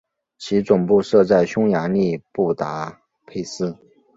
其总部设在匈牙利布达佩斯。